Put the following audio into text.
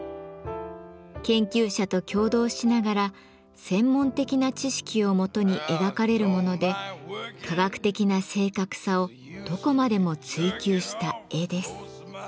研究者と協働しながら専門的な知識をもとに描かれるもので科学的な正確さをどこまでも追求した絵です。